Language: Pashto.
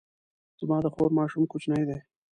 زما د خور ماشوم کوچنی دی